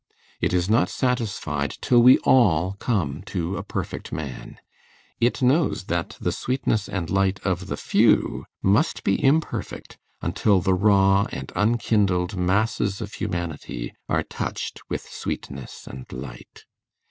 _ It is not satisfied till we all come to a perfect man; it knows that the sweetness and light of the few must be imperfect until the raw and unkindled masses of humanity are touched with sweetness and light.